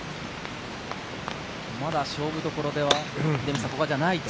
まだ勝負どころではないと。